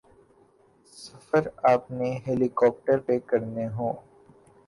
سفر آپ نے ہیلی کاپٹر پہ کرنے ہوں۔